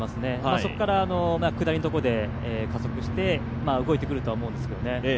そこから下りのところで加速して動いてくるとは思うんですけどね。